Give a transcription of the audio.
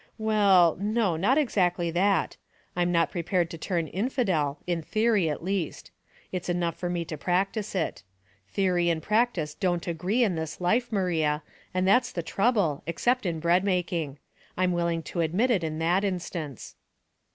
" Well, no, not exactly that. I'm not pre pared to turn Inndel, in theory at least. It's enough for me to practice it. Theory and prac tice don't agree in this life, Maria, and that's the trouble, except in bread making. I'm willing to admit it in that instance."